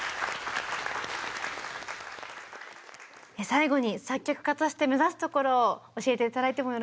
最後に作曲家として目指すところを教えて頂いてもよろしいでしょうか？